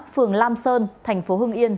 phường lam sơn thành phố hương yên